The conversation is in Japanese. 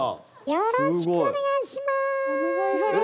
よろしくお願いします。